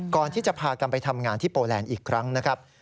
ก่อนที่จะพากันไปทำงานที่โปแลนด์อีกครั้งนะครับ